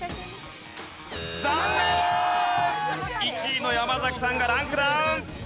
１位の山崎さんがランクダウン！